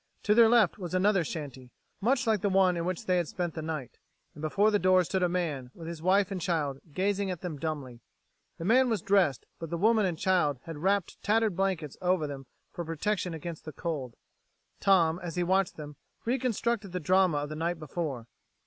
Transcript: To their left was another shanty, much like the one in which they had spent the night, and before the door stood a man, with his wife and child, gazing at them dumbly. The man was dressed, but the woman and child had wrapped tattered blankets over them for protection against the cold. Tom, as he watched them, reconstructed the drama of the night before.